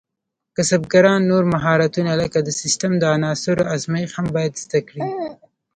کسبګران نور مهارتونه لکه د سیسټم د عناصرو ازمېښت هم باید زده کړي.